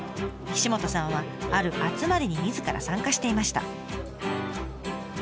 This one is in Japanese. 岸本さんはある集まりにみずから参加していました。